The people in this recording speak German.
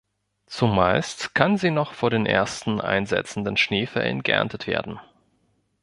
Zumeist kann sie noch vor den ersten einsetzenden Schneefällen geerntet werden.